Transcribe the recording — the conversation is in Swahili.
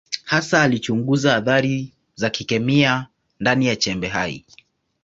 Hasa alichunguza athari za kikemia ndani ya chembe hai.